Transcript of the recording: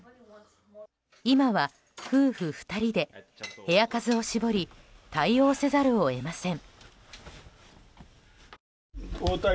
今は夫婦２人で部屋数を絞り対応せざるを得ません。